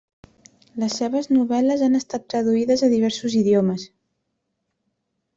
Les seves novel·les han estat traduïdes a diversos idiomes.